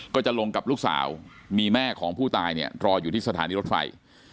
ก็จะลงกับลูกสาวมีแม่ของผู้ตายเนี่ยรออยู่ที่สถานีรถไฟ